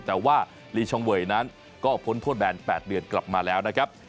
แต่ว่าลีชองเวยนั้นก็พ้นโทษแบน๘เดือนกลับมาแล้วนะครับ